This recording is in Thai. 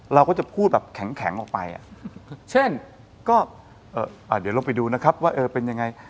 เราก็จะพูดแบบแข็งออกไปอ่ะเช่นก็เดี๋ยวลองไปดูนะครับว่าเออเป็นยังไง